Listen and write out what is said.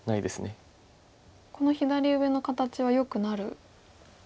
この左上の形はよくなるんですか？